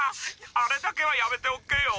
あれだけはやめておけよ。